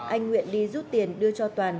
anh nguyện đi rút tiền đưa cho toàn